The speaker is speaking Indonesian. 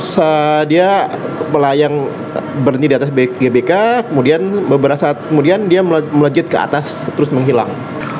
sedia melayang berhenti di atas gbk kemudian beberapa saat kemudian dia melejit ke atas terus menghilang